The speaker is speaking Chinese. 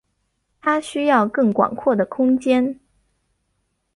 他需要更广阔的空间。